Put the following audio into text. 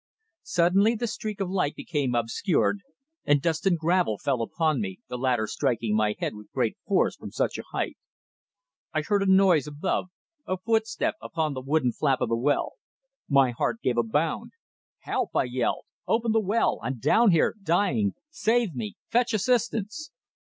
Suddenly the streak of light became obscured, and dust and gravel fell upon me, the latter striking my head with great force from such a height. I heard a noise above a footstep upon the wooden flap of the well. My heart gave a bound. "Help!" I yelled. "Open the well! I'm down here dying. Save me! Fetch assistance!"